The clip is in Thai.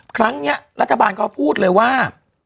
ครั้งนี้รัฐบาลเขาพูดเลยว่า